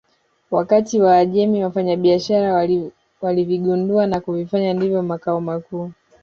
Wakati Waajemi wafanyabiashara walivigundua na kuvifanya ndiyo makao makuu